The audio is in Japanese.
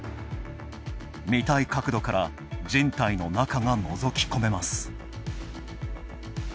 見たい角度から人体の中がのぞき込めます。